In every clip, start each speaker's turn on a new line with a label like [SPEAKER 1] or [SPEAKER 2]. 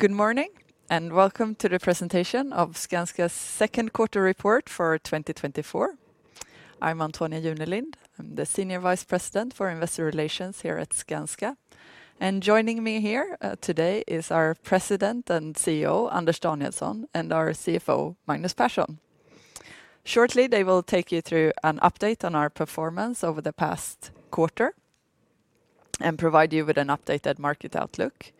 [SPEAKER 1] Good morning and welcome to the presentation of Skanska's second quarter report for 2024. I'm Antonia Junelind, I'm the Senior Vice President for Investor Relations here at Skanska, and joining me here today is our President and CEO, Anders Danielsson, and our CFO, Magnus Persson. Shortly, they will take you through an update on our performance over the past quarter and provide you with an updated market outlook.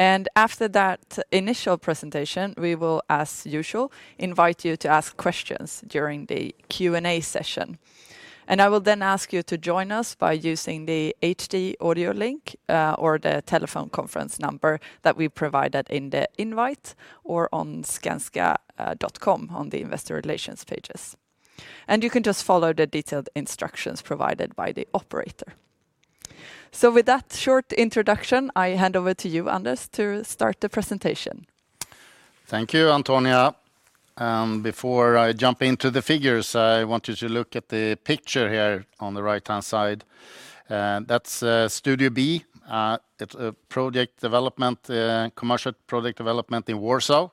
[SPEAKER 1] After that initial presentation, we will, as usual, invite you to ask questions during the Q&A session. I will then ask you to join us by using the HD audio link or the telephone conference number that we provided in the invite or on skanska.com on the investor relations pages. You can just follow the detailed instructions provided by the operator. With that short introduction, I hand over to you, Anders, to start the presentation.
[SPEAKER 2] Thank you, Antonia. Before I jump into the figures, I want you to look at the picture here on the right-hand side. That's Studio B. It's a project development, commercial project development in Warsaw,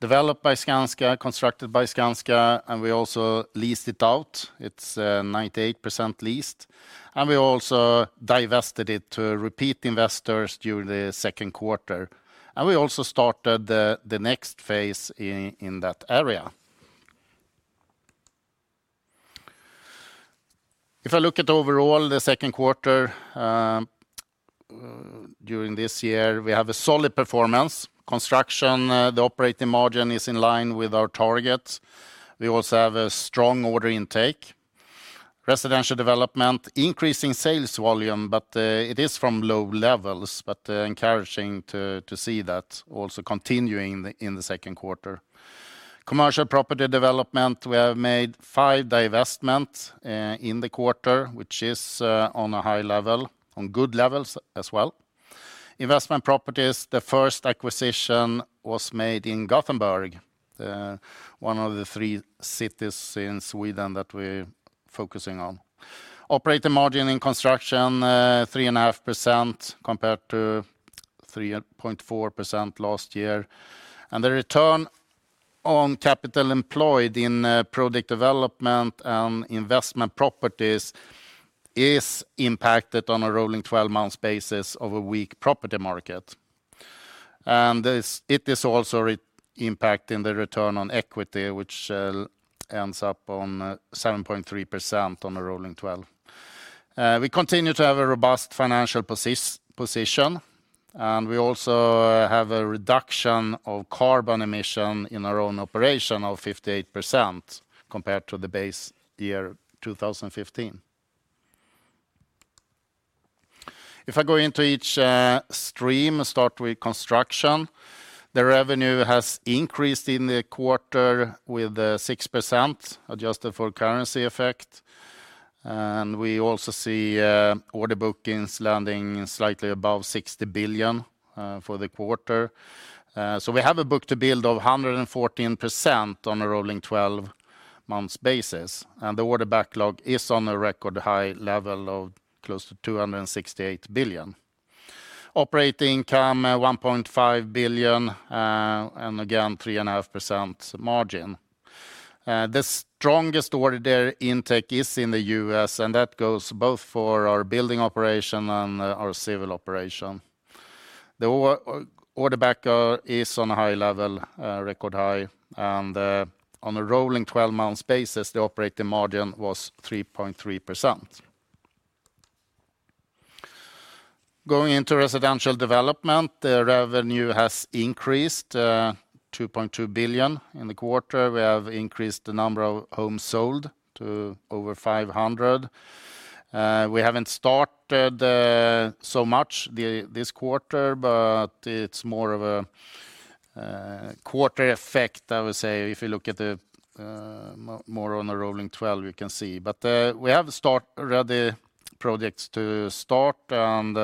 [SPEAKER 2] developed by Skanska, constructed by Skanska, and we also leased it out. It's 98% leased. We also divested it to repeat investors during the second quarter. We also started the next phase in that area. If I look at overall the second quarter during this year, we have a solid performance. Construction, the operating margin is in line with our targets. We also have a strong order intake. Residential development, increasing sales volume, but it is from low levels, but encouraging to see that also continuing in the second quarter. Commercial property development, we have made five divestments in the quarter, which is on a high level, on good levels as well. Investment properties, the first acquisition was made in Gothenburg, one of the three cities in Sweden that we are focusing on. Operating margin in construction, 3.5% compared to 3.4% last year. The return on capital employed in project development and investment properties is impacted on a rolling 12-month basis of a weak property market. It is also impacting the return on equity, which ends up on 7.3% on a rolling 12. We continue to have a robust financial position, and we also have a reduction of carbon emission in our own operation of 58% compared to the base year 2015. If I go into each stream, start with construction, the revenue has increased in the quarter with 6% adjusted for currency effect. We also see order bookings landing slightly above 60 billion for the quarter. We have a book-to-build of 114% on a rolling 12-month basis. The order backlog is on a record high level of close to 268 billion. Operating income 1.5 billion and again 3.5% margin. The strongest order intake is in the U.S., and that goes both for our building operation and our civil operation. The order backlog is on a high level, record high, and on a rolling 12-month basis, the operating margin was 3.3%. Going into residential development, the revenue has increased 2.2 billion in the quarter. We have increased the number of homes sold to over 500. We haven't started so much this quarter, but it's more of a quarter effect, I would say. If you look at the more on a rolling 12, you can see. We have started projects to start, and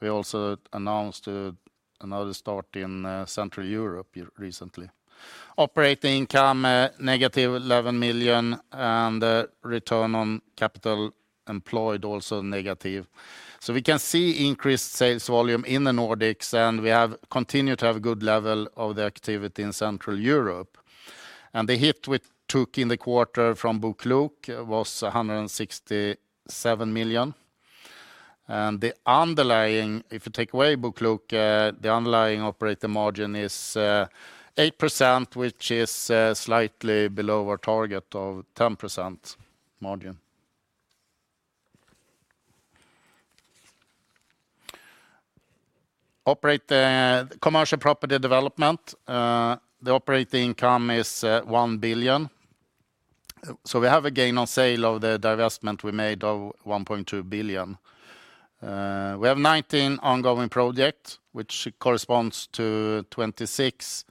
[SPEAKER 2] we also announced another start in Central Europe recently. Operating income -11 million, and the return on capital employed also negative. So we can see increased sales volume in the Nordics, and we have continued to have a good level of the activity in Central Europe. And the hit we took in the quarter from BoKlok was 167 million. And the underlying, if you take away BoKlok, the underlying operating margin is 8%, which is slightly below our target of 10% margin. Commercial property development, the operating income is 1 billion. So we have a gain on sale of the divestment we made of 1.2 billion. We have 19 ongoing projects, which corresponds to 26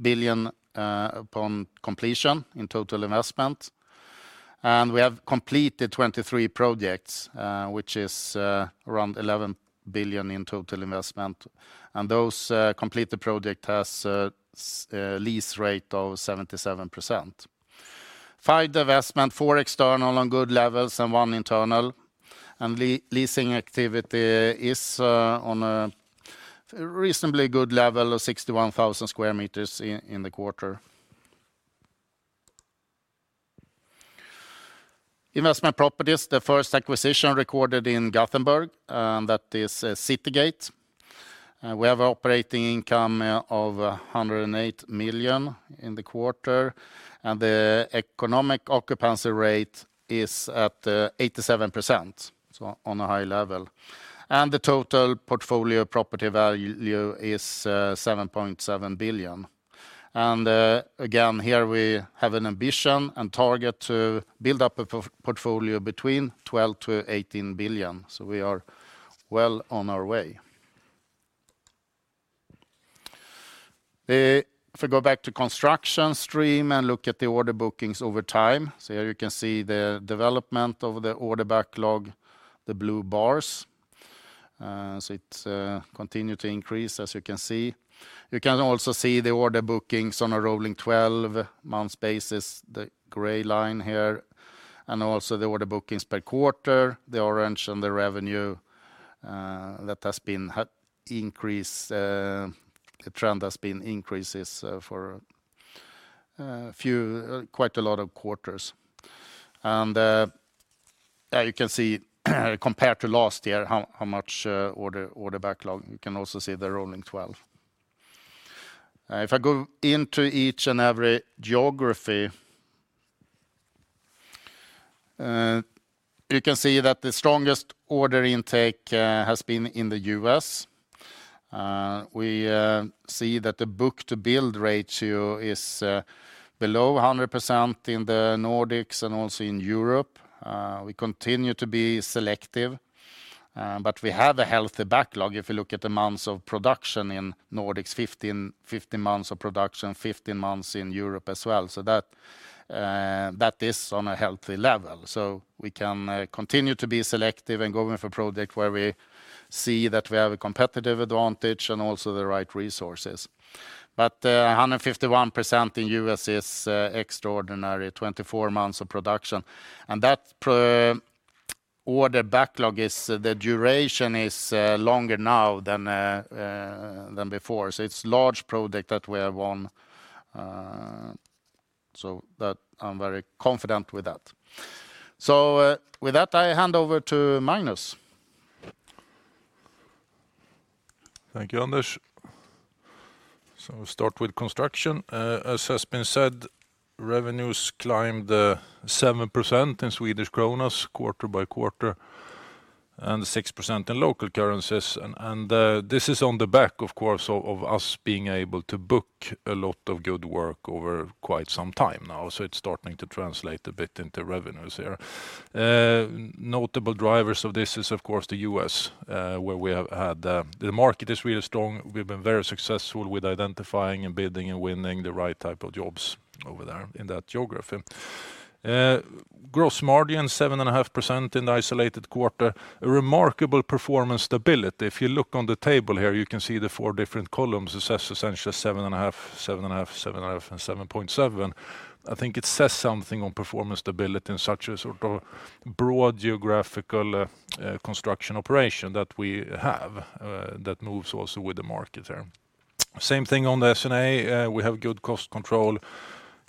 [SPEAKER 2] billion upon completion in total investment. And we have completed 23 projects, which is around 11 billion in total investment. And those completed projects have a lease rate of 77%. Five divestments, four external on good levels and one internal. Leasing activity is on a reasonably good level of 61,000 sq m in the quarter. Investment properties, the first acquisition recorded in Gothenburg, and that is Citygate. We have an operating income of 108 million in the quarter, and the economic occupancy rate is at 87%, so on a high level. The total portfolio property value is 7.7 billion. Again, here we have an ambition and target to build up a portfolio between 12 billion-18 billion. We are well on our way. If we go back to the construction stream and look at the order bookings over time, so here you can see the development of the order backlog, the blue bars. It's continued to increase, as you can see. You can also see the order bookings on a rolling 12-month basis, the gray line here, and also the order bookings per quarter, the orange and the revenue that has been increased, the trend has been increases for quite a lot of quarters. You can see compared to last year how much order backlog, you can also see the rolling 12. If I go into each and every geography, you can see that the strongest order intake has been in the U.S. We see that the book-to-build ratio is below 100% in the Nordics and also in Europe. We continue to be selective, but we have a healthy backlog. If you look at the months of production in Nordics, 15 months of production, 15 months in Europe as well. That is on a healthy level. So we can continue to be selective and going for projects where we see that we have a competitive advantage and also the right resources. But 151% in the U.S. is extraordinary, 24 months of production. And that order backlog is the duration is longer now than before. So it's a large project that we have on. So that I'm very confident with that. So with that, I hand over to Magnus.
[SPEAKER 3] Thank you, Anders. So we'll start with construction. As has been said, revenues climbed 7% in Swedish kronor quarter-over-quarter and 6% in local currencies. And this is on the back, of course, of us being able to book a lot of good work over quite some time now. So it's starting to translate a bit into revenues here. Notable drivers of this is, of course, the U.S., where we have had the market is really strong. We've been very successful with identifying and bidding and winning the right type of jobs over there in that geography. Gross margin 7.5% in the isolated quarter, a remarkable performance stability. If you look on the table here, you can see the four different columns as is essentially 7.5%, 7.5%, 7.5%, and 7.7%. I think it says something on performance stability in such a sort of broad geographical construction operation that we have that moves also with the market here. Same thing on the S&A. We have good cost control,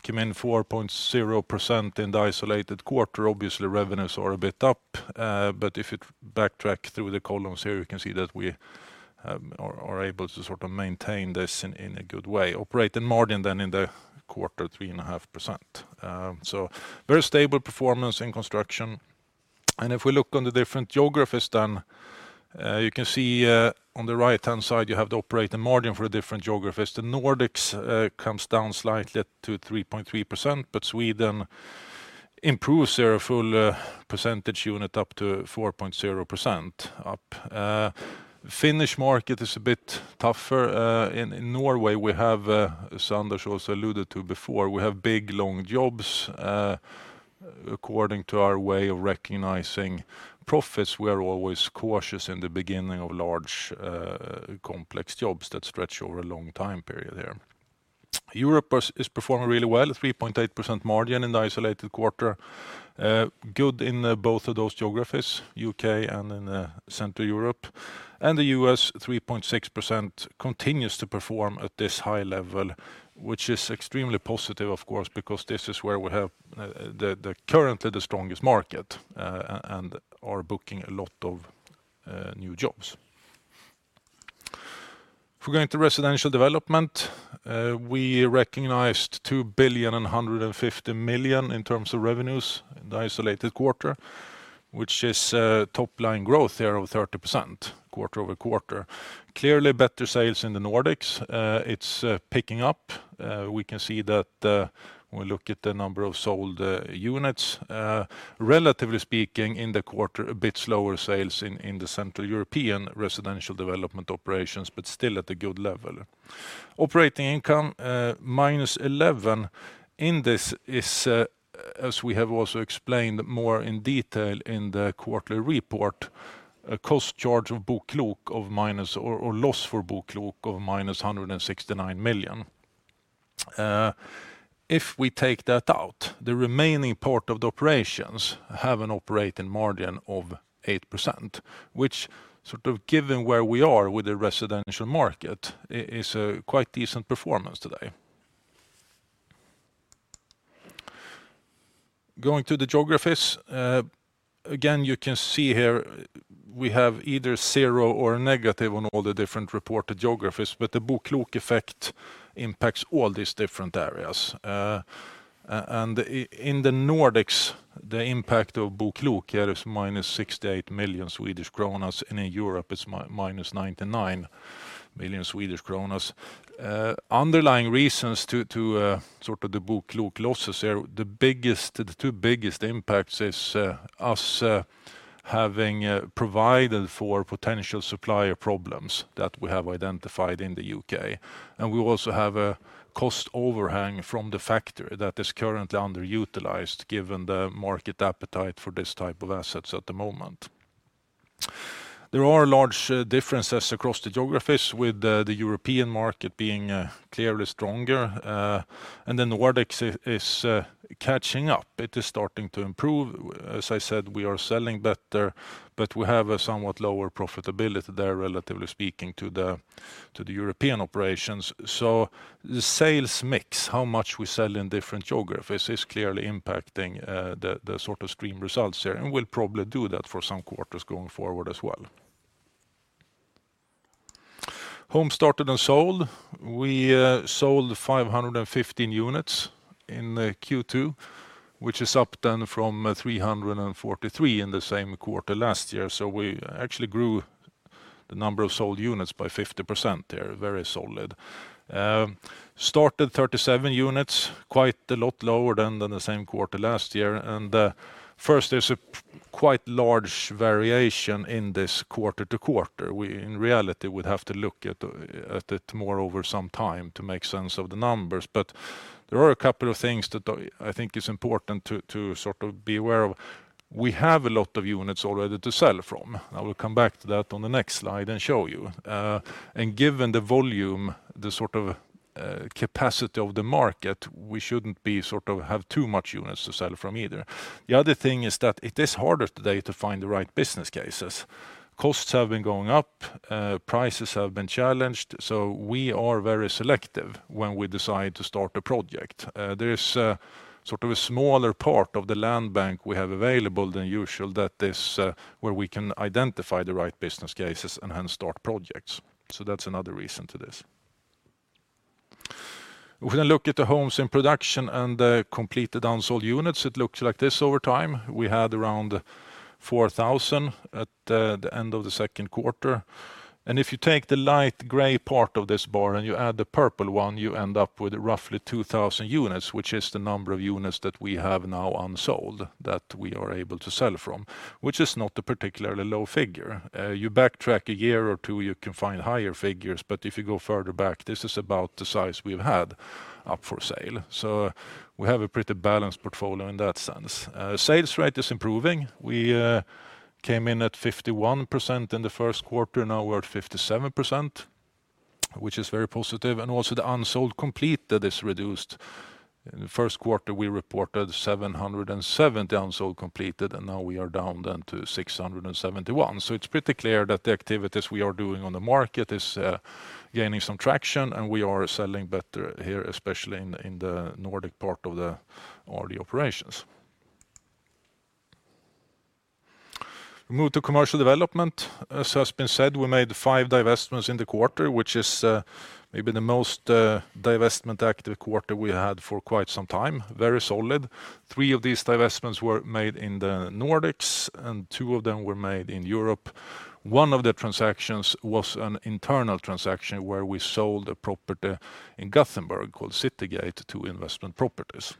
[SPEAKER 3] came in 4.0% in the isolated quarter. Obviously, revenues are a bit up, but if you backtrack through the columns here, you can see that we are able to sort of maintain this in a good way. Operating margin then in the quarter, 3.5%. So very stable performance in construction. If we look on the different geographies then, you can see on the right-hand side you have the operating margin for the different geographies. The Nordics comes down slightly to 3.3%, but Sweden improves their full percentage unit up to 4.0%. Finnish market is a bit tougher. In Norway, we have, as Anders also alluded to before, we have big long jobs. According to our way of recognizing profits, we are always cautious in the beginning of large complex jobs that stretch over a long time period here. Europe is performing really well, 3.8% margin in the isolated quarter. Good in both of those geographies, U.K. and in Central Europe. The U.S., 3.6% continues to perform at this high level, which is extremely positive, of course, because this is where we have currently the strongest market and are booking a lot of new jobs. If we go into residential development, we recognized 2.15 billion in terms of revenues in the isolated quarter, which is top line growth here of 30% quarter-over-quarter. Clearly better sales in the Nordics. It's picking up. We can see that when we look at the number of sold units, relatively speaking in the quarter, a bit slower sales in the Central Europe residential development operations, but still at a good level. Operating income -11 million in this is, as we have also explained more in detail in the quarterly report, a cost charge of BoKlok of minus or loss for BoKlok of -169 million. If we take that out, the remaining part of the operations have an operating margin of 8%, which sort of given where we are with the residential market is a quite decent performance today. Going to the geographies, again, you can see here we have either zero or negative on all the different reported geographies, but the BoKlok effect impacts all these different areas. In the Nordics, the impact of book-to-build here is -68 million Swedish kronor, and in Europe it's -99 million Swedish kronor. Underlying reasons to sort of the book-to-build losses here, the two biggest impacts is us having provided for potential supplier problems that we have identified in the U.K.. And we also have a cost overhang from the factory that is currently underutilized given the market appetite for this type of assets at the moment. There are large differences across the geographies with the European market being clearly stronger, and the Nordics is catching up. It is starting to improve. As I said, we are selling better, but we have a somewhat lower profitability there, relatively speaking to the European operations. So the sales mix, how much we sell in different geographies is clearly impacting the sort of stream results here, and we'll probably do that for some quarters going forward as well. Home started and sold. We sold 515 units in Q2, which is up then from 343 in the same quarter last year. So we actually grew the number of sold units by 50% here. Very solid. Started 37 units, quite a lot lower than the same quarter last year. And first, there's a quite large variation in this quarter to quarter. In reality, we'd have to look at it more over some time to make sense of the numbers. But there are a couple of things that I think is important to sort of be aware of. We have a lot of units already to sell from. I will come back to that on the next slide and show you. And given the volume, the sort of capacity of the market, we shouldn't be sort of have too much units to sell from either. The other thing is that it is harder today to find the right business cases. Costs have been going up, prices have been challenged, so we are very selective when we decide to start a project. There is sort of a smaller part of the land bank we have available than usual that is where we can identify the right business cases and hence start projects. So that's another reason to this. If we then look at the homes in production and the completed unsold units, it looks like this over time. We had around 4,000 at the end of the second quarter. If you take the light gray part of this bar and you add the purple one, you end up with roughly 2,000 units, which is the number of units that we have now unsold that we are able to sell from, which is not a particularly low figure. You backtrack a year or two, you can find higher figures, but if you go further back, this is about the size we've had up for sale. So we have a pretty balanced portfolio in that sense. Sales rate is improving. We came in at 51% in the first quarter, now we're at 57%, which is very positive. And also the unsold completed is reduced. In the first quarter, we reported 770 unsold completed, and now we are down then to 671. So it's pretty clear that the activities we are doing on the market is gaining some traction, and we are selling better here, especially in the Nordics part of the operations. We move to commercial development. As has been said, we made five divestments in the quarter, which is maybe the most divestment active quarter we had for quite some time. Very solid. Three of these divestments were made in the Nordics, and two of them were made in Europe. One of the transactions was an internal transaction where we sold a property in Gothenburg called Citygate to Investment Properties.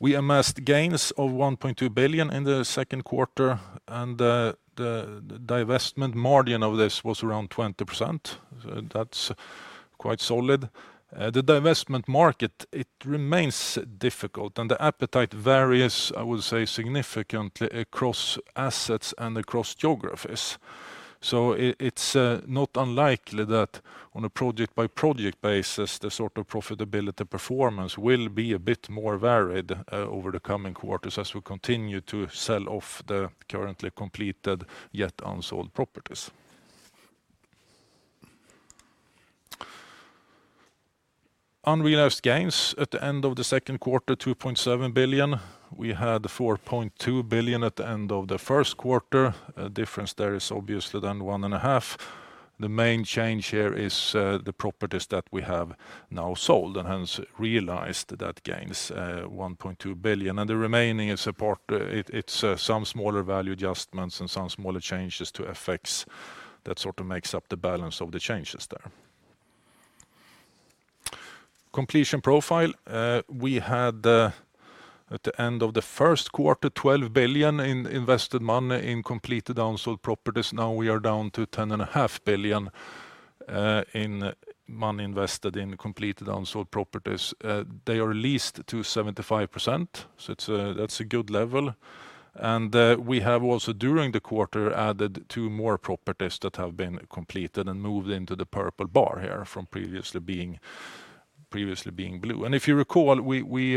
[SPEAKER 3] We amassed gains of 1.2 billion in the second quarter, and the divestment margin of this was around 20%. So that's quite solid. The divestment market, it remains difficult, and the appetite varies, I would say, significantly across assets and across geographies. So it's not unlikely that on a project-by-project basis, the sort of profitability performance will be a bit more varied over the coming quarters as we continue to sell off the currently completed yet unsold properties. Unrealized gains at the end of the second quarter, 2.7 billion. We had 4.2 billion at the end of the first quarter. The difference there is obviously then 1.5 billion. The main change here is the properties that we have now sold and hence realized those gains 1.2 billion. And the remaining is some smaller value adjustments and some smaller changes to FX that sort of makes up the balance of the changes there. Completion profile. We had at the end of the first quarter, 12 billion in invested money in completed unsold properties. Now we are down to 10.5 billion in money invested in completed unsold properties. They are leased to 75%, so that's a good level. We have also during the quarter added two more properties that have been completed and moved into the purple bar here from previously being blue. If you recall, we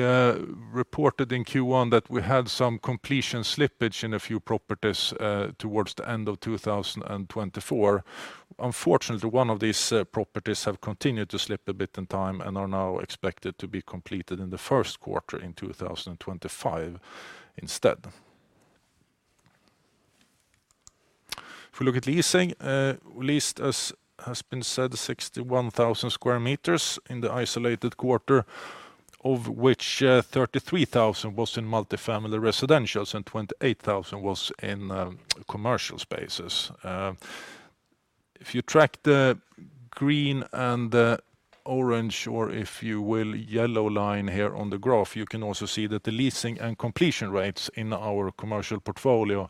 [SPEAKER 3] reported in Q1 that we had some completion slippage in a few properties towards the end of 2024. Unfortunately, one of these properties has continued to slip a bit in time and are now expected to be completed in the first quarter in 2025 instead. If we look at leasing, leased, as has been said, 61,000 square meters in this quarter, of which 33,000 was in multifamily residentials and 28,000 was in commercial spaces. If you track the green and orange, or if you will, yellow line here on the graph, you can also see that the leasing and completion rates in our commercial portfolio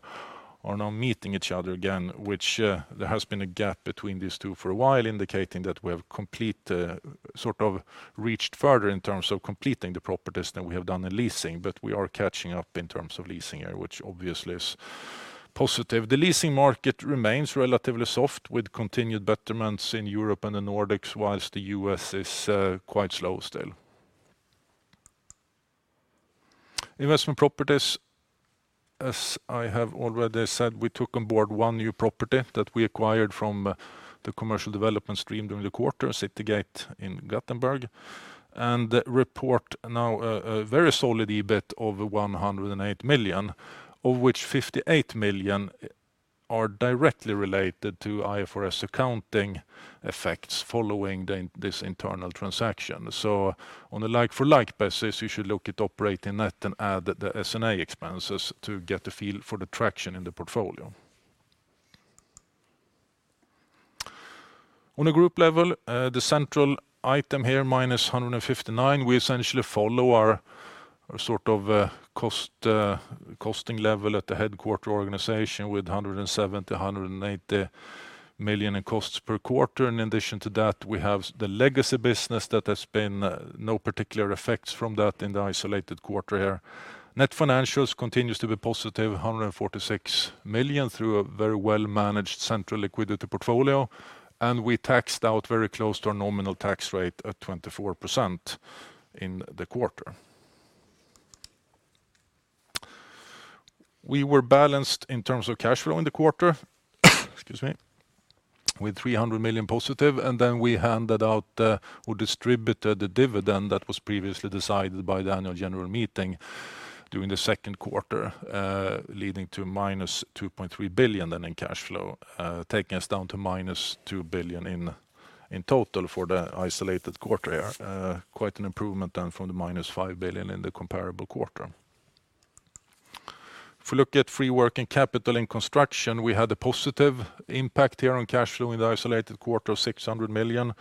[SPEAKER 3] are now meeting each other again, which there has been a gap between these two for a while, indicating that we have completed sort of reached further in terms of completing the properties than we have done in leasing, but we are catching up in terms of leasing here, which obviously is positive. The leasing market remains relatively soft with continued betterments in Europe and the Nordics, while the US is quite slow still. Investment properties, as I have already said, we took on board one new property that we acquired from the commercial development stream during the quarter, Citygate in Gothenburg, and report now a very solid EBIT of 108 million, of which 58 million are directly related to IFRS accounting effects following this internal transaction. So on a like-for-like basis, you should look at operating net and add the S&A expenses to get a feel for the traction in the portfolio. On a group level, the central item here, -159 million, we essentially follow our sort of costing level at the headquarter organization with 170 million-180 million in costs per quarter. In addition to that, we have the legacy business that has been no particular effects from that in the isolated quarter here. Net financials continues to be positive, 146 million through a very well-managed central liquidity portfolio, and we taxed out very close to our nominal tax rate at 24% in the quarter. We were balanced in terms of cash flow in the quarter, excuse me, with 300 million positive, and then we handed out or distributed the dividend that was previously decided by the annual general meeting during the second quarter, leading to -2.3 billion then in cash flow, taking us down to -2 billion in total for the isolated quarter here. Quite an improvement then from the -5 billion in the comparable quarter. If we look at free working capital in construction, we had a positive impact here on cash flow in the isolated quarter of 600 million.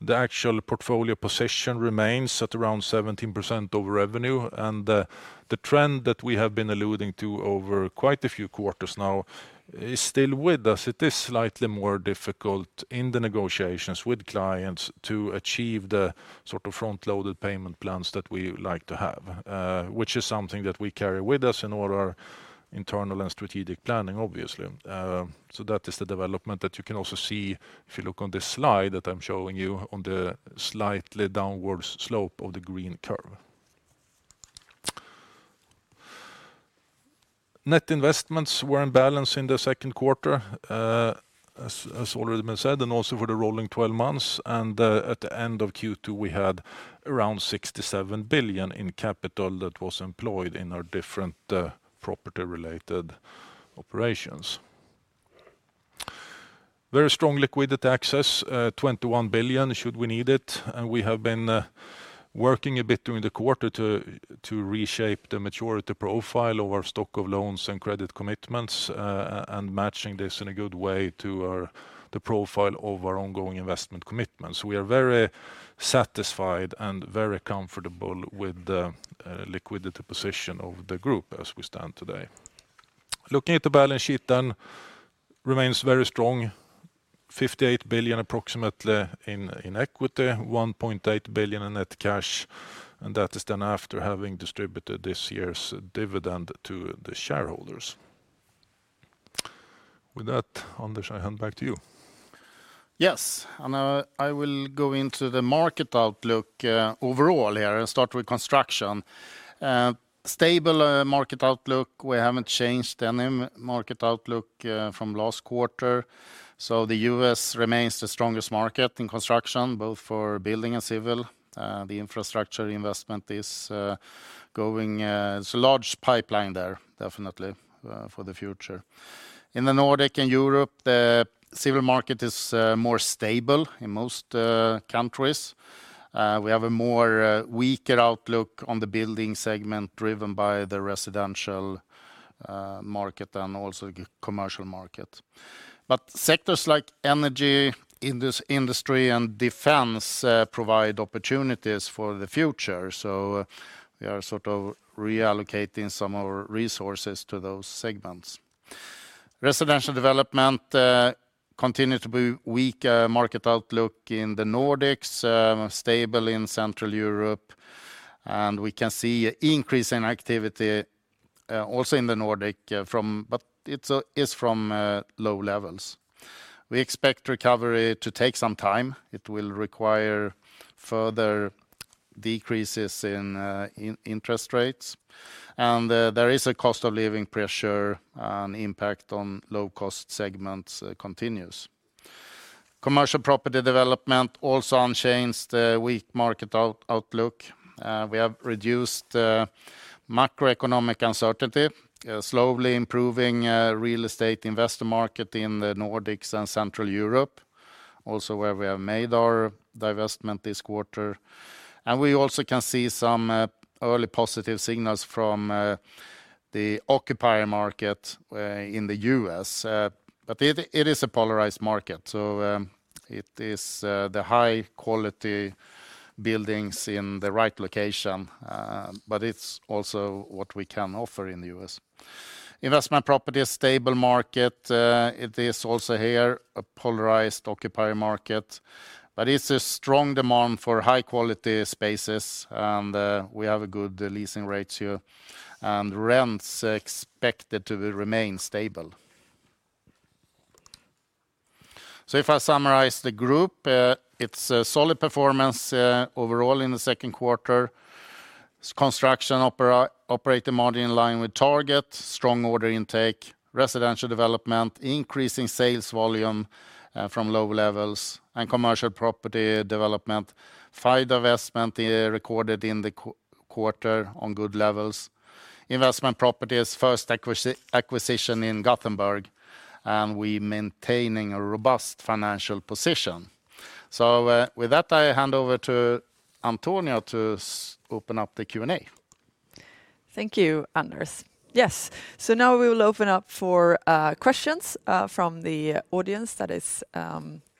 [SPEAKER 3] The actual portfolio position remains at around 17% over revenue, and the trend that we have been alluding to over quite a few quarters now is still with us. It is slightly more difficult in the negotiations with clients to achieve the sort of front-loaded payment plans that we like to have, which is something that we carry with us in all our internal and strategic planning, obviously. So that is the development that you can also see if you look on this slide that I'm showing you on the slightly downward slope of the green curve. Net investments were in balance in the second quarter, as already been said, and also for the rolling 12 months. At the end of Q2, we had around 67 billion in capital that was employed in our different property-related operations. Very strong liquidity access, 21 billion should we need it. We have been working a bit during the quarter to reshape the maturity profile of our stock of loans and credit commitments and matching this in a good way to the profile of our ongoing investment commitments. We are very satisfied and very comfortable with the liquidity position of the group as we stand today. Looking at the balance sheet then, remains very strong, approximately 58 billion in equity, 1.8 billion in net cash, and that is then after having distributed this year's dividend to the shareholders. With that, Anders, I hand back to you.
[SPEAKER 2] Yes, and I will go into the market outlook overall here and start with construction. Stable market outlook, we haven't changed any market outlook from last quarter. So the U.S. remains the strongest market in construction, both for building and civil. The infrastructure investment is going, it's a large pipeline there, definitely for the future. In the Nordics and Europe, the civil market is more stable in most countries. We have a more weaker outlook on the building segment driven by the residential market and also the commercial market. But sectors like energy, industry, and defense provide opportunities for the future. So we are sort of reallocating some of our resources to those segments. Residential development continues to be weaker market outlook in the Nordics, stable in Central Europe, and we can see an increase in activity also in the Nordics, but it is from low levels. We expect recovery to take some time. It will require further decreases in interest rates, and there is a cost of living pressure and impact on low-cost segments continues. Commercial property development also unchanged, the weak market outlook. We have reduced macroeconomic uncertainty, slowly improving real estate investor market in the Nordics and Central Europe, also where we have made our divestment this quarter. And we also can see some early positive signals from the occupier market in the U.S., but it is a polarized market. So it is the high-quality buildings in the right location, but it's also what we can offer in the U.S. Investment property is a stable market. It is also here a polarized occupier market, but it's a strong demand for high-quality spaces, and we have a good leasing ratio and rents expected to remain stable. So if I summarize the group, it's a solid performance overall in the second quarter. Construction operating margin in line with target, strong order intake, residential development, increasing sales volume from low levels, and commercial property development. Five divestment recorded in the quarter on good levels. Investment property is first acquisition in Gothenburg, and we are maintaining a robust financial position. So with that, I hand over to Antonia to open up the Q&A.
[SPEAKER 1] Thank you, Anders. Yes, so now we will open up for questions from the audience that is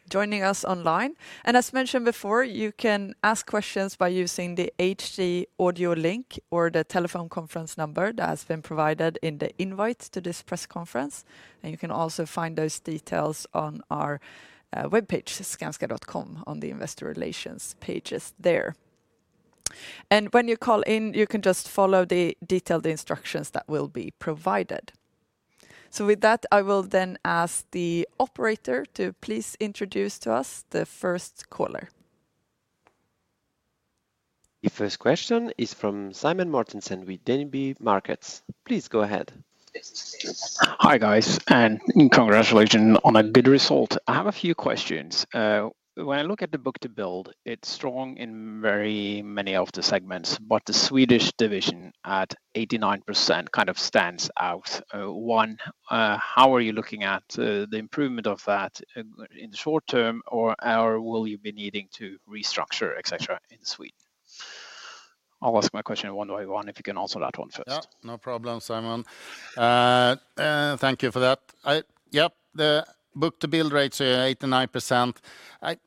[SPEAKER 1] joining us online. As mentioned before, you can ask questions by using the HD audio link or the telephone conference number that has been provided in the invite to this press conference. You can also find those details on our webpage, Skanska.com, on the investor relations pages there. When you call in, you can just follow the detailed instructions that will be provided. So with that, I will then ask the operator to please introduce to us the first caller.
[SPEAKER 4] The first question is from Simen Mortensen with DNB Markets. Please go ahead. Hi guys, and congratulations on a good result.
[SPEAKER 5] I have a few questions. When I look at the book-to-build, it's strong in very many of the segments, but the Swedish division at 89% kind of stands out. One, how are you looking at the improvement of that in the short term, or will you be needing to restructure, etc., in Sweden? I'll ask my question one by one if you can answer that one first.
[SPEAKER 2] Yeah, no problem, Simon. Thank you for that. Yep, the book-to-build rates are 89%.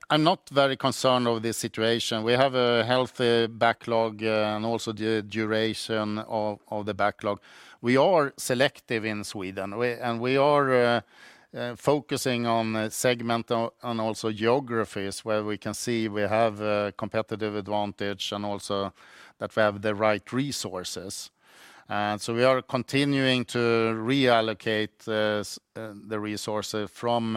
[SPEAKER 2] I'm not very concerned over this situation. We have a healthy backlog and also the duration of the backlog. We are selective in Sweden, and we are focusing on segment and also geographies where we can see we have a competitive advantage and also that we have the right resources. So we are continuing to reallocate the resources from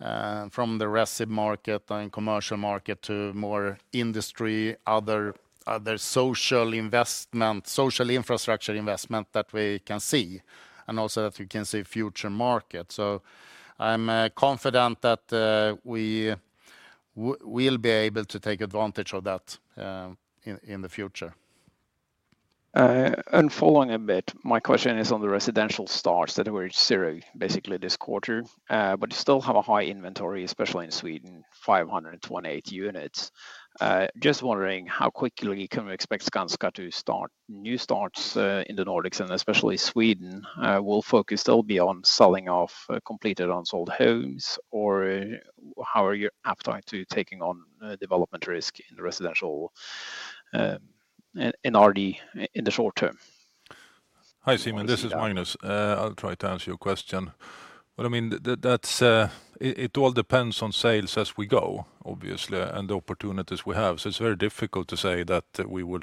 [SPEAKER 2] the residential market and commercial market to more industry, other social investment, social infrastructure investment that we can see, and also that we can see future markets. So I'm confident that we will be able to take advantage of that in the future.
[SPEAKER 5] And following a bit, my question is on the residential starts that were 0 basically this quarter, but you still have a high inventory, especially in Sweden, 528 units. Just wondering how quickly can we expect Skanska to start new starts in the Nordics and especially Sweden? Will focus still be on selling off completed unsold homes, or how are you applying to taking on development risk in the residential and RD in the short term?
[SPEAKER 3] Hi Simon, this is Magnus. I'll try to answer your question. Well, I mean, it all depends on sales as we go, obviously, and the opportunities we have. It's very difficult to say that we will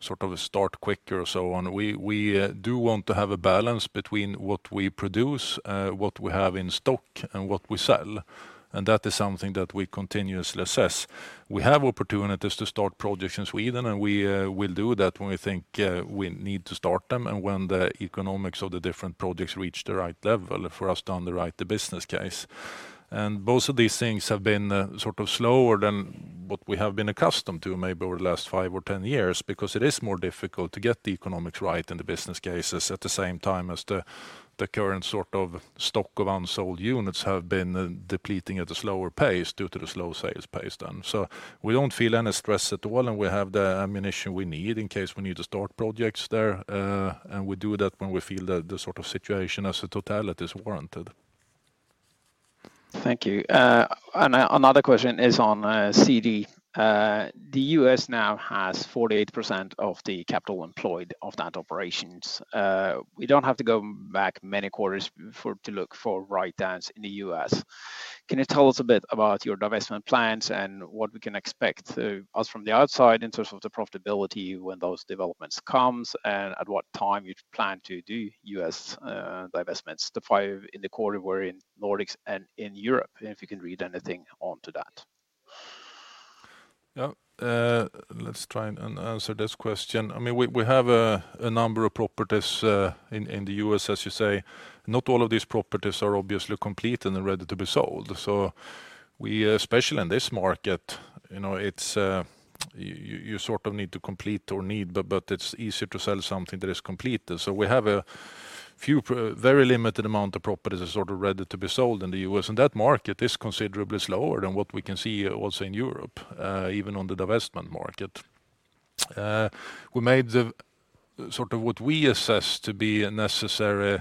[SPEAKER 3] sort of start quicker or so on. We do want to have a balance between what we produce, what we have in stock, and what we sell. That is something that we continuously assess. We have opportunities to start projects in Sweden, and we will do that when we think we need to start them and when the economics of the different projects reach the right level for us to underwrite the business case. And both of these things have been sort of slower than what we have been accustomed to maybe over the last 5 or 10 years because it is more difficult to get the economics right in the business cases at the same time as the current sort of stock of unsold units have been depleting at a slower pace due to the slow sales pace then. So we don't feel any stress at all, and we have the ammunition we need in case we need to start projects there. And we do that when we feel that the sort of situation as a totality is warranted.
[SPEAKER 5] Thank you. Another question is on CD. The U.S. now has 48% of the capital employed of that operations. We don't have to go back many quarters to look for the right balance in the U.S. Can you tell us a bit about your divestment plans and what we can expect us from the outside in terms of the profitability when those developments come and at what time you plan to do U.S. divestments? The 5 in the quarter were in Nordics and in Europe, if you can read anything onto that?
[SPEAKER 3] Yeah, let's try and answer this question. I mean, we have a number of properties in the U.S., as you say. Not all of these properties are obviously complete and ready to be sold. So we, especially in this market, you know, you sort of need to complete or need, but it's easier to sell something that is completed. So we have a very limited amount of properties that are sort of ready to be sold in the U.S. That market is considerably slower than what we can see also in Europe, even on the divestment market. We made the sort of what we assessed to be necessary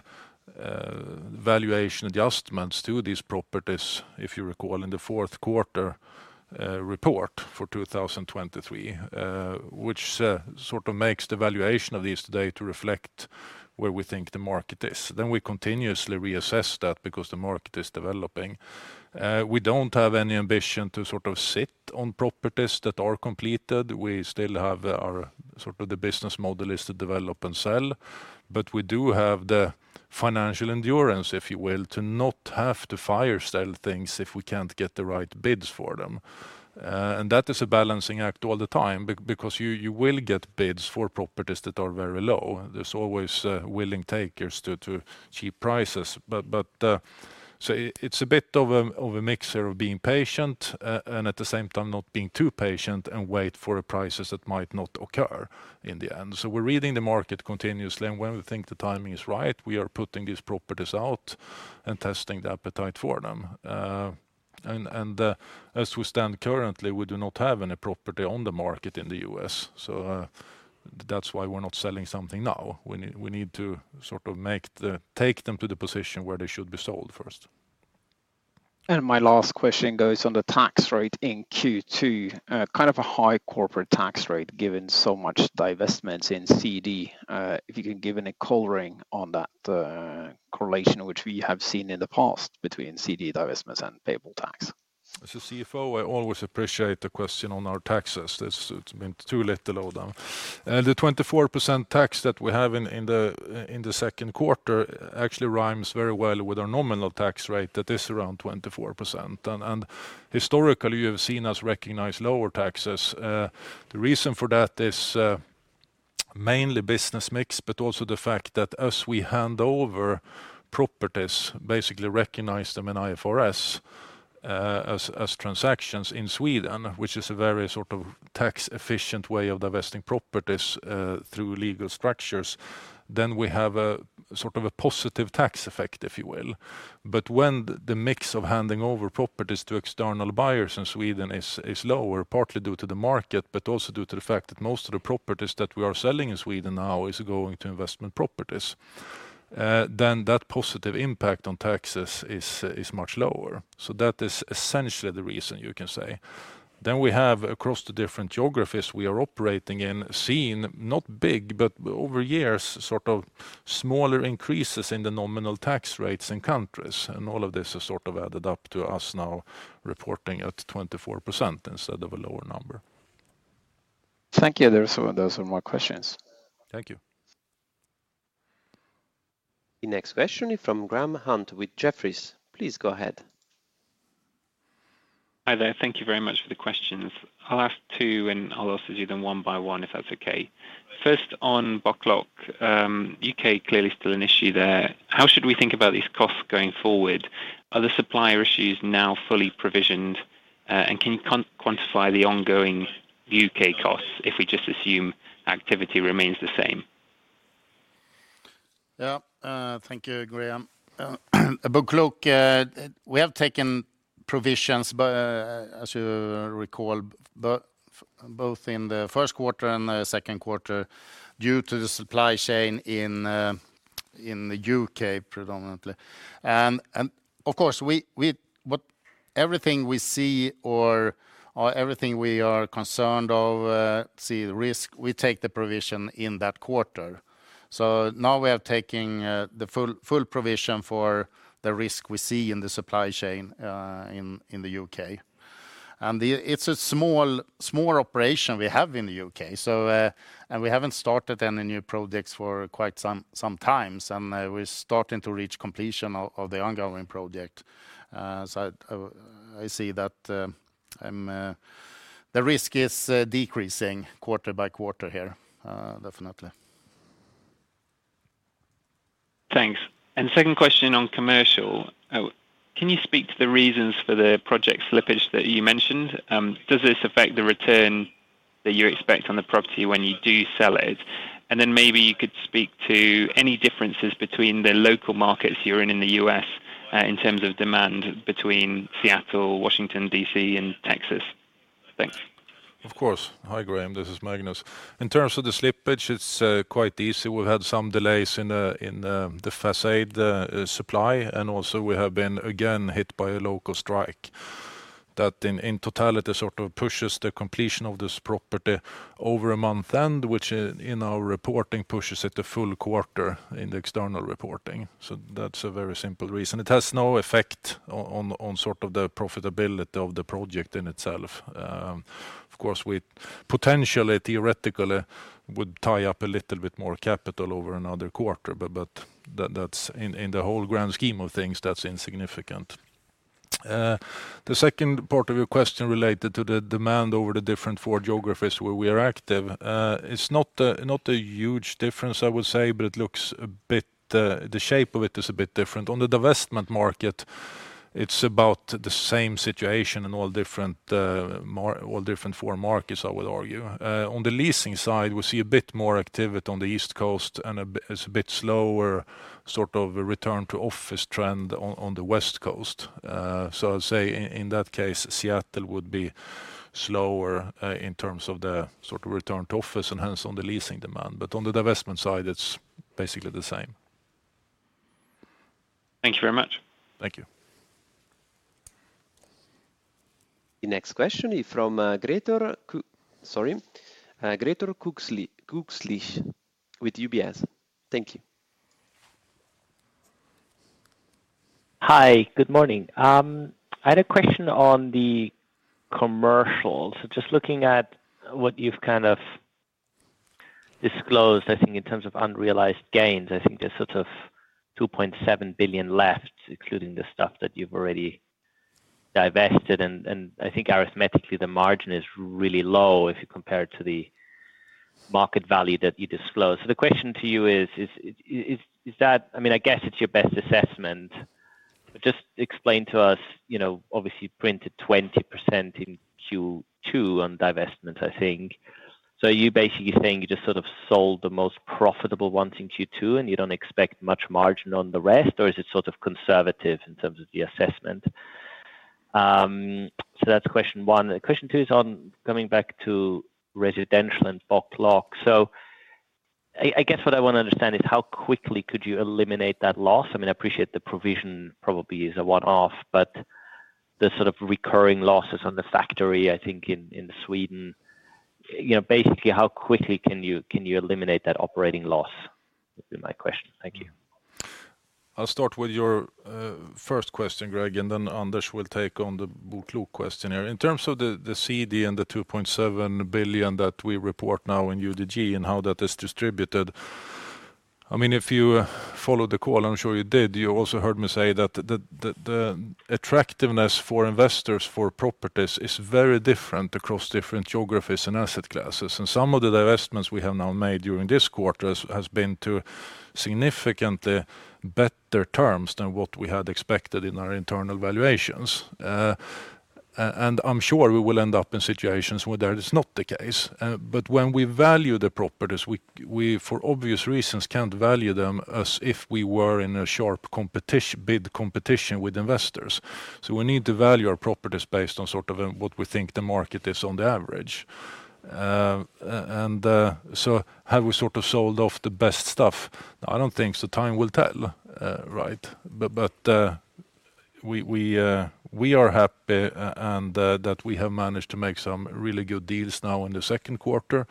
[SPEAKER 3] valuation adjustments to these properties, if you recall, in the fourth quarter report for 2023, which sort of makes the valuation of these today to reflect where we think the market is. We continuously reassess that because the market is developing. We don't have any ambition to sort of sit on properties that are completed. We still have our sort of the business model is to develop and sell, but we do have the financial endurance, if you will, to not have to fire sell things if we can't get the right bids for them. That is a balancing act all the time because you will get bids for properties that are very low. There's always willing takers to cheap prices. But so it's a bit of a mixture of being patient and at the same time not being too patient and wait for prices that might not occur in the end. So we're reading the market continuously, and when we think the timing is right, we are putting these properties out and testing the appetite for them. And as we stand currently, we do not have any property on the market in the U.S. So that's why we're not selling something now. We need to sort of take them to the position where they should be sold first.
[SPEAKER 5] And my last question goes on the tax rate in Q2, kind of a high corporate tax rate given so much divestments in CD. If you can give any coloring on that correlation, which we have seen in the past between CD divestments and payable tax?
[SPEAKER 3] As a CFO, I always appreciate the question on our taxes. It's been too little of them. The 24% tax that we have in the second quarter actually rhymes very well with our nominal tax rate that is around 24%. And historically, you have seen us recognize lower taxes. The reason for that is mainly business mix, but also the fact that as we hand over properties, basically recognize them in IFRS as transactions in Sweden, which is a very sort of tax-efficient way of divesting properties through legal structures, then we have a sort of a positive tax effect, if you will. But when the mix of handing over properties to external buyers in Sweden is lower, partly due to the market, but also due to the fact that most of the properties that we are selling in Sweden now is going to investment properties, then that positive impact on taxes is much lower. So that is essentially the reason you can say. Then we have across the different geographies we are operating in seen, not big, but over years sort of smaller increases in the nominal tax rates in countries. And all of this has sort of added up to us now reporting at 24% instead of a lower number.
[SPEAKER 5] Thank you. There are some more questions.
[SPEAKER 3] Thank you.
[SPEAKER 4] The next question is from Graham Hunt with Jefferies. Please go ahead.
[SPEAKER 6] Hi there. Thank you very much for the questions. I'll ask two and I'll ask you then one by one if that's okay. First on BoKlok, U.K. clearly still an issue there. How should we think about these costs going forward? Are the supplier issues now fully provisioned? And can you quantify the ongoing U.K. costs if we just assume activity remains the same?
[SPEAKER 2] Yeah, thank you, Graham. BoKlok, we have taken provisions, as you recall, both in the first quarter and the second quarter due to the supply chain in the U.K. predominantly. And of course, everything we see or everything we are concerned of, see the risk, we take the provision in that quarter. So now we have taken the full provision for the risk we see in the supply chain in the U.K.. And it's a small operation we have in the U.K.. And we haven't started any new projects for quite some time. And we're starting to reach completion of the ongoing project. So I see that the risk is decreasing quarter by quarter here, definitely.
[SPEAKER 6] Thanks. And second question on commercial. Can you speak to the reasons for the project slippage that you mentioned? Does this affect the return that you expect on the property when you do sell it? And then maybe you could speak to any differences between the local markets you're in in the U.S. in terms of demand between Seattle, Washington, D.C., and Texas. Thanks.
[SPEAKER 3] Of course. Hi, Graham. This is Magnus. In terms of the slippage, it's quite easy. We've had some delays in the facade supply. And also we have been again hit by a local strike that in totality sort of pushes the completion of this property over a month end, which in our reporting pushes it to full quarter in the external reporting. So that's a very simple reason. It has no effect on sort of the profitability of the project in itself. Of course, we potentially theoretically would tie up a little bit more capital over another quarter, but that's in the whole grand scheme of things, that's insignificant. The second part of your question related to the demand over the different four geographies where we are active, it's not a huge difference, I would say, but it looks a bit, the shape of it is a bit different. On the divestment market, it's about the same situation in all different four markets, I would argue. On the leasing side, we see a bit more activity on the East Coast, and it's a bit slower sort of return to office trend on the West Coast. So I'd say in that case, Seattle would be slower in terms of the sort of return to office and hence on the leasing demand. But on the divestment side, it's basically the same.
[SPEAKER 6] Thank you very much.
[SPEAKER 3] Thank you.
[SPEAKER 4] The next question is from Gregor, sorry, Gregor Kuglitsch with UBS. Thank you.
[SPEAKER 7] Hi, good morning. I had a question on the commercial. So just looking at what you've kind of disclosed, I think in terms of unrealized gains, I think there's sort of 2.7 billion left, including the stuff that you've already divested. And I think arithmetically the margin is really low if you compare it to the market value that you disclosed. So the question to you is, I mean, I guess it's your best assessment, but just explain to us, obviously you printed 20% in Q2 on divestments, I think. So are you basically saying you just sort of sold the most profitable ones in Q2 and you don't expect much margin on the rest, or is it sort of conservative in terms of the assessment? So that's question one. Question two is on coming back to residential and BoKlok. So I guess what I want to understand is how quickly could you eliminate that loss? I mean, I appreciate the provision probably is a one-off, but the sort of recurring losses on the factory, I think in Sweden, basically how quickly can you eliminate that operating loss would be my question. Thank you.
[SPEAKER 3] I'll start with your first question, Greg, and then Anders will take on the BoKlok question. In terms of the CD and the 2.7 billion that we report now in UDG and how that is distributed, I mean, if you followed the call, I'm sure you did, you also heard me say that the attractiveness for investors for properties is very different across different geographies and asset classes. Some of the divestments we have now made during this quarter has been to significantly better terms than what we had expected in our internal valuations. I'm sure we will end up in situations where that is not the case. But when we value the properties, we for obvious reasons can't value them as if we were in a sharp bid competition with investors. We need to value our properties based on sort of what we think the market is on the average. And so have we sort of sold off the best stuff? I don't think so. Time will tell, right? But we are happy that we have managed to make some really good deals now in the second quarter.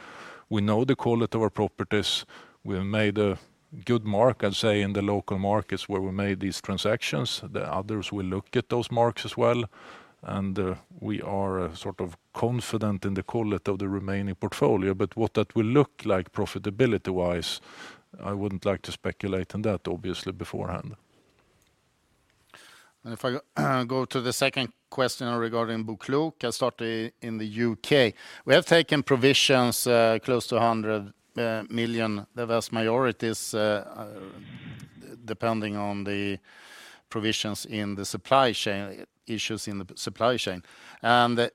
[SPEAKER 3] We know the quality of our properties. We have made a good mark, I'd say, in the local markets where we made these transactions. The others will look at those marks as well. And we are sort of confident in the quality of the remaining portfolio. But what that will look like profitability-wise, I wouldn't like to speculate on that obviously beforehand.
[SPEAKER 2] And if I go to the second question regarding BoKlok, I'll start in the U.K.. We have taken provisions close to 100 million, the vast majority, depending on the provisions in the supply chain issues in the supply chain. And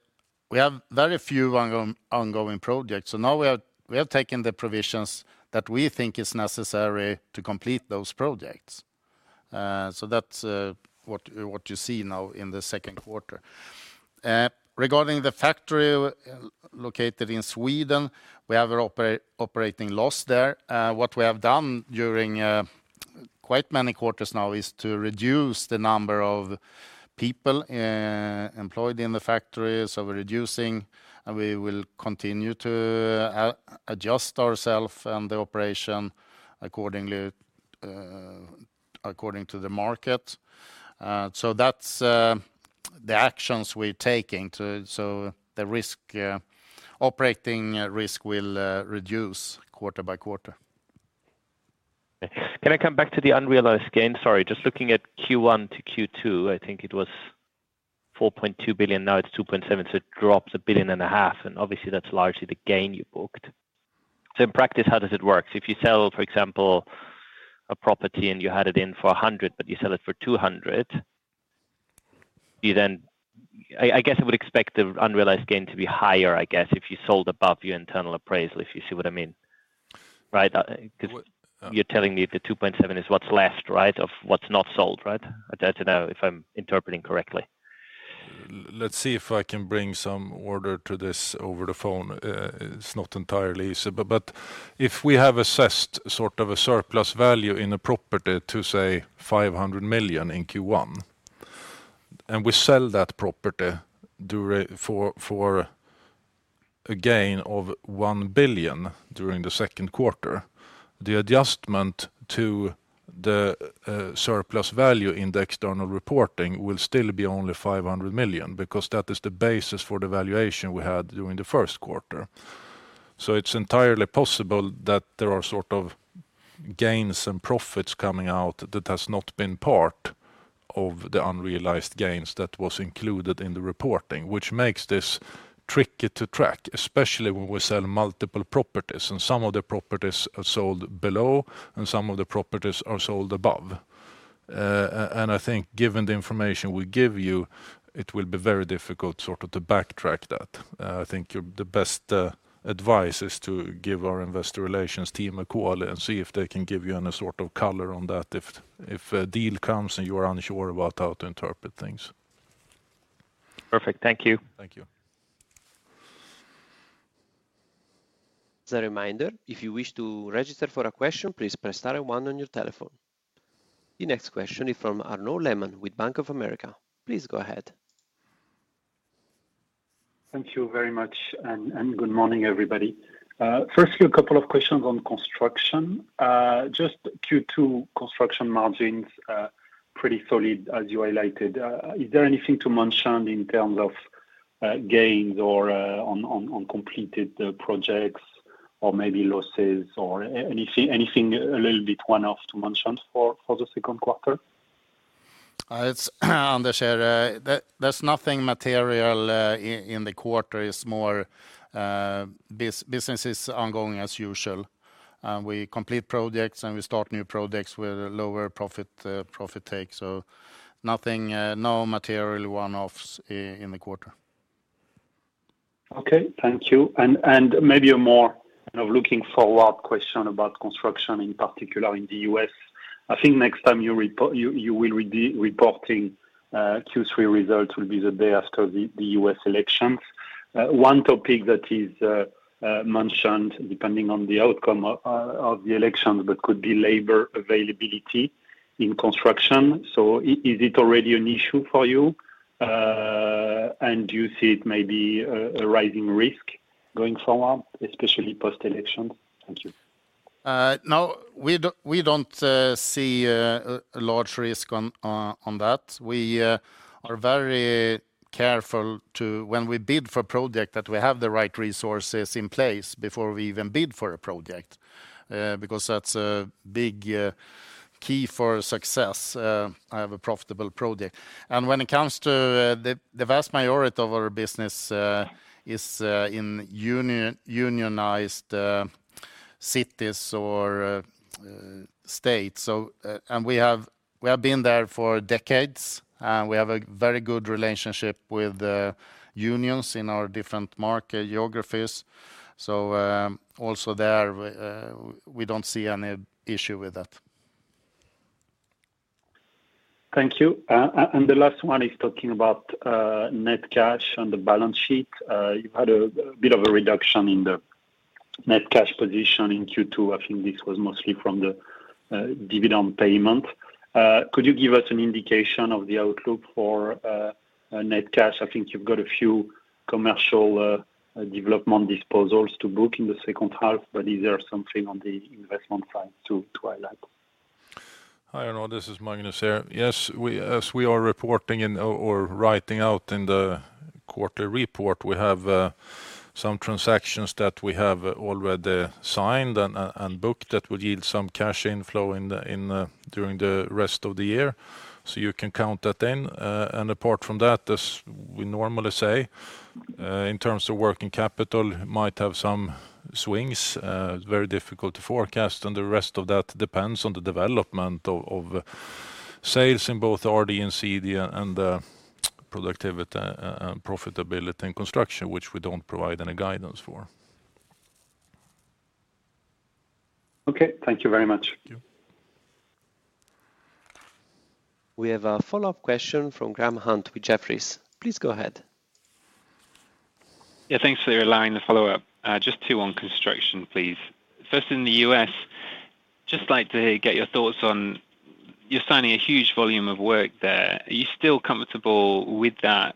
[SPEAKER 2] we have very few ongoing projects. So now we have taken the provisions that we think is necessary to complete those projects. So that's what you see now in the second quarter. Regarding the factory located in Sweden, we have an operating loss there. What we have done during quite many quarters now is to reduce the number of people employed in the factories. So we're reducing, and we will continue to adjust ourselves and the operation according to the market. So that's the actions we're taking. So the operating risk will reduce quarter by quarter.
[SPEAKER 7] Can I come back to the unrealized gain? Sorry, just looking at Q1 to Q2, I think it was 4.2 billion. Now it's 2.7 billion, so it drops 1.5 billion. And obviously that's largely the gain you booked. So in practice, how does it work? So if you sell, for example, a property and you had it in for 100, but you sell it for 200, I guess I would expect the unrealized gain to be higher, I guess, if you sold above your internal appraisal, if you see what I mean, right? Because you're telling me the 2.7 is what's left, right, of what's not sold, right? I don't know if I'm interpreting correctly.
[SPEAKER 3] Let's see if I can bring some order to this over the phone. It's not entirely easy. But if we have assessed sort of a surplus value in a property to say 500 million in Q1, and we sell that property for a gain of 1 billion during the second quarter, the adjustment to the surplus value in the external reporting will still be only 500 million because that is the basis for the valuation we had during the first quarter. So it's entirely possible that there are sort of gains and profits coming out that has not been part of the unrealized gains that was included in the reporting, which makes this tricky to track, especially when we sell multiple properties. And some of the properties are sold below, and some of the properties are sold above. And I think given the information we give you, it will be very difficult sort of to backtrack that. I think the best advice is to give our investor relations team a call and see if they can give you any sort of color on that if a deal comes and you are unsure about how to interpret things.
[SPEAKER 7] Perfect. Thank you.
[SPEAKER 3] Thank you.
[SPEAKER 4] As a reminder, if you wish to register for a question, please press star and one on your telephone. The next question is from Arnaud Lehmann with Bank of America. Please go ahead.
[SPEAKER 8] Thank you very much and good morning, everybody. Firstly, a couple of questions on construction. Just Q2 construction margins, pretty solid as you highlighted. Is there anything to mention in terms of gains or uncompleted projects or maybe losses or anything a little bit one-off to mention for the second quarter?
[SPEAKER 2] Anders here, there's nothing material in the quarter. Business is ongoing as usual. We complete projects and we start new projects with lower profit take. So nothing, no material one-offs in the quarter.
[SPEAKER 8] Okay, thank you. And maybe a more kind of looking forward question about construction in particular in the U.S. I think next time you will be reporting Q3 results will be the day after the U.S. elections. One topic that is mentioned depending on the outcome of the elections, but could be labor availability in construction. So is it already an issue for you? And do you see it maybe a rising risk going forward, especially post-elections? Thank you.
[SPEAKER 2] No, we don't see a large risk on that. We are very careful when we bid for a project that we have the right resources in place before we even bid for a project because that's a big key for success, have a profitable project. When it comes to the vast majority of our business is in unionized cities or states. And we have been there for decades. We have a very good relationship with unions in our different market geographies. So also there, we don't see any issue with that.
[SPEAKER 8] Thank you. And the last one is talking about net cash on the balance sheet. You've had a bit of a reduction in the net cash position in Q2. I think this was mostly from the dividend payment. Could you give us an indication of the outlook for net cash? I think you've got a few commercial development disposals to book in the second half, but is there something on the investment side to highlight?
[SPEAKER 3] I don't know. This is Magnus here. Yes, as we are reporting or writing out in the quarterly report, we have some transactions that we have already signed and booked that will yield some cash inflow during the rest of the year. So you can count that in. And apart from that, as we normally say, in terms of working capital, might have some swings, very difficult to forecast. And the rest of that depends on the development of sales in both RD and CD and productivity and profitability in construction, which we don't provide any guidance for.
[SPEAKER 8] Okay, thank you very much.
[SPEAKER 4] We have a follow-up question from Graham Hunt with Jefferies. Please go ahead.
[SPEAKER 6] Yeah, thanks for the aligned follow-up. Just two on construction, please. First, in the U.S., just like to get your thoughts on you're signing a huge volume of work there. Are you still comfortable with that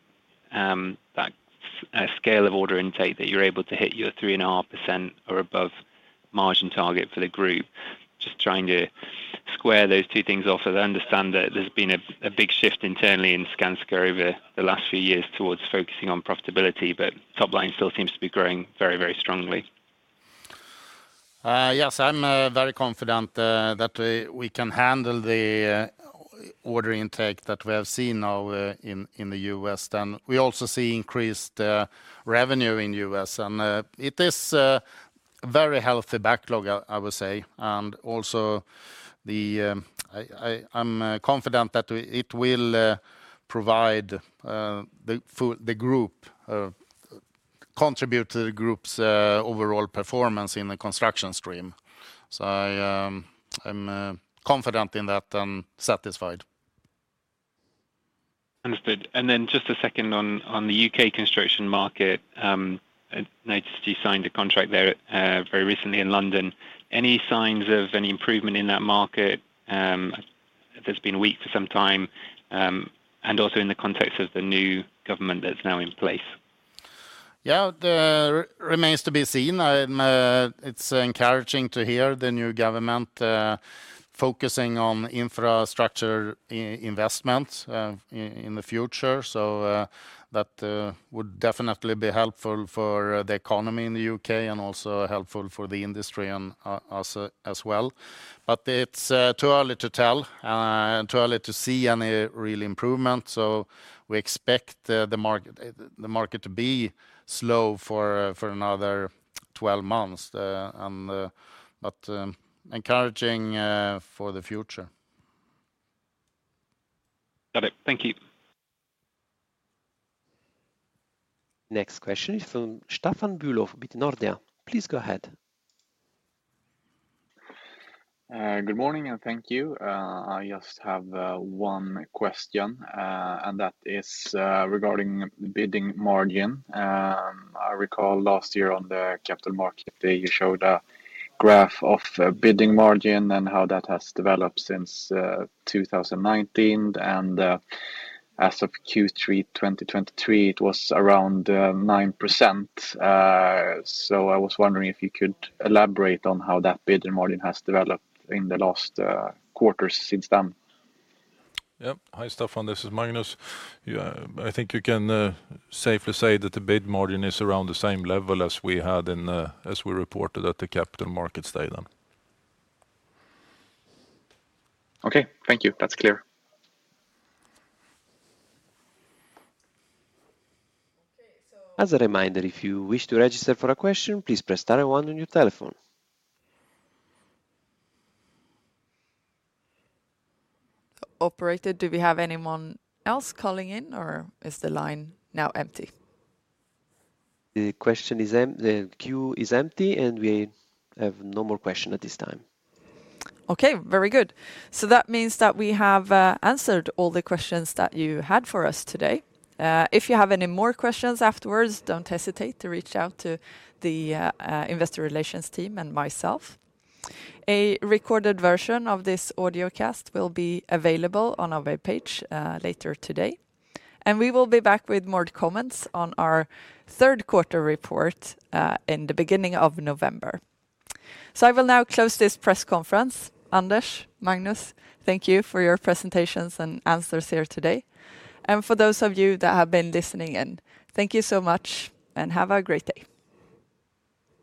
[SPEAKER 6] scale of order intake that you're able to hit your 3.5% or above margin target for the group? Just trying to square those two things off. I understand that there's been a big shift internally in Skanska over the last few years towards focusing on profitability, but top line still seems to be growing very, very strongly.
[SPEAKER 2] Yes, I'm very confident that we can handle the order intake that we have seen now in the U.S. And we also see increased revenue in the U.S. And it is a very healthy backlog, I would say. And also, I'm confident that it will provide the group, contribute to the group's overall performance in the construction stream. So I'm confident in that and satisfied.
[SPEAKER 6] Understood. And then just a second on the U.K. construction market. I noticed you signed a contract there very recently in London. Any signs of any improvement in that market? There's been a weak [market] for some time. And also in the context of the new government that's now in place.
[SPEAKER 2] Yeah, it remains to be seen. It's encouraging to hear the new government focusing on infrastructure investments in the future. So that would definitely be helpful for the economy in the U.K. and also helpful for the industry as well. But it's too early to tell and too early to see any real improvement. So we expect the market to be slow for another 12 months, but encouraging for the future.
[SPEAKER 6] Got it. Thank you.
[SPEAKER 4] Next question is from Staffan Bülow with Nordea. Please go ahead.
[SPEAKER 9] Good morning and thank you. I just have one question, and that is regarding the bidding margin. I recall last year on the capital markets day, you showed a graph of bidding margin and how that has developed since 2019. As of Q3 2023, it was around 9%. I was wondering if you could elaborate on how that bidding margin has developed in the last quarter since then.
[SPEAKER 3] Yeah, hi Staffan, this is Magnus. I think you can safely say that the bid margin is around the same level as we had in, as we reported at the capital markets day then.
[SPEAKER 9] Okay, thank you. That's clear.
[SPEAKER 4] As a reminder, if you wish to register for a question, please press star and one on your telephone.
[SPEAKER 1] Operator, do we have anyone else calling in or is the line now empty?
[SPEAKER 4] The question queue is empty and we have no more questions at this time.
[SPEAKER 1] Okay, very good. So that means that we have answered all the questions that you had for us today. If you have any more questions afterwards, don't hesitate to reach out to the investor relations team and myself. A recorded version of this audio cast will be available on our web page later today. We will be back with more comments on our third quarter report in the beginning of November. So I will now close this press conference. Anders, Magnus, thank you for your presentations and answers here today. For those of you that have been listening, thank you so much and have a great day.